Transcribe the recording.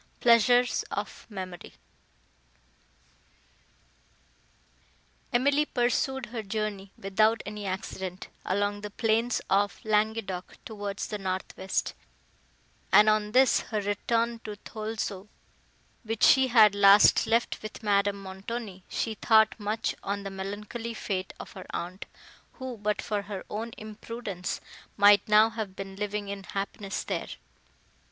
PLEASURES OF MEMORY Emily pursued her journey, without any accident, along the plains of Languedoc towards the north west; and, on this her return to Thoulouse, which she had last left with Madame Montoni, she thought much on the melancholy fate of her aunt, who, but for her own imprudence, might now have been living in happiness there!